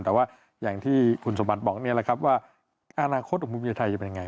แต่ว่าอย่างที่คุณสมบัติบอกนี่แหละครับว่าอนาคตของภูมิใจไทยจะเป็นยังไง